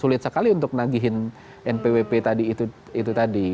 sulit sekali untuk nagihin npwp tadi itu tadi